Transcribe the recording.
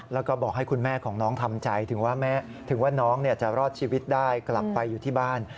แล้วก็บอกให้คุณแม่ของน้องทำใจถึงว่าน้องจะรอดชีวิตได้กลับไปอยู่ที่บ้าน